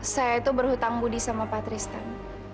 saya itu berhutang budi sama pak tristan